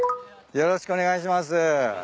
よろしくお願いします。